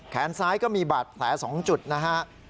แขนซ้ายก็มีบาดแผล๒จุดนะฮะ